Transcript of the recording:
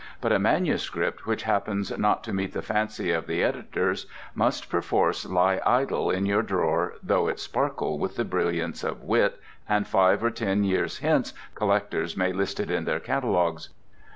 But a manuscript which happens not to meet the fancy of the editors must perforce lie idle in your drawer though it sparkle with the brilliants of wit, and five or ten years hence collectors may list it in their catalogues.